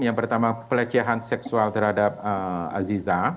yang pertama pelecehan seksual terhadap aziza